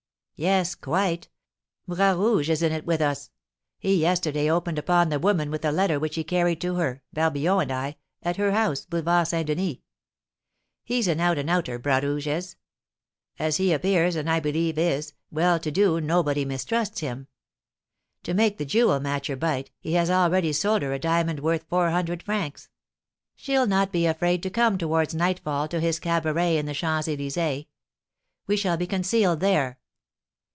"Yes quite. Bras Rouge is in it with us. He yesterday opened upon the woman with a letter which we carried to her Barbillon and I at her house, Boulevard St. Denis. He's an out and outer, Bras Rouge is! As he appears and, I believe, is well to do, nobody mistrusts him. To make the jewel matcher bite he has already sold her a diamond worth four hundred francs. She'll not be afraid to come towards nightfall to his cabaret in the Champs Elysées. We shall be concealed there.